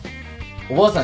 おばあさん